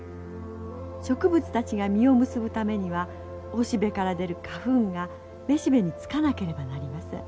植物たちが実を結ぶためにはオシベから出る花粉がメシベにつかなければなりません。